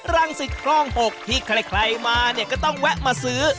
รังศิษย์ครอง๖ที่ใครมาก็ต้องแวะมาซื้อ